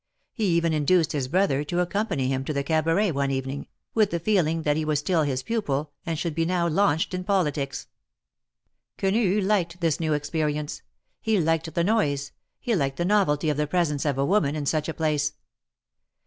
He even induced his brother to accompany him to the Cabaret one evening, with the feel ing that he was still his pupil, and should be now launched ill politics. Quenu liked this new experience; he liked the noise ; he liked the novelty of the presence of a woman in such a place.